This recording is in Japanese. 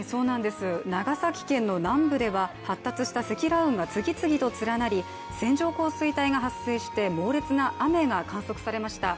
長崎県の南部では発達した積乱雲が次々と連なり線状降水帯が発生して猛烈な雨が観測されました。